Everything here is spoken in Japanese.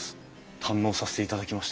堪能させていただきました。